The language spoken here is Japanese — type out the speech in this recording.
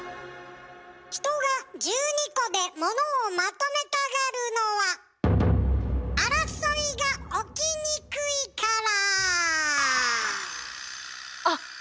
人が１２個で物をまとめたがるのは争いが起きにくいから！